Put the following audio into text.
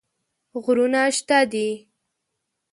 غرونه شته دي.